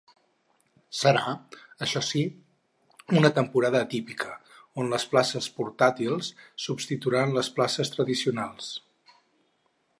Serà, això sí, una temporada atípica, on les places portàtils substituiran les places tradicionals.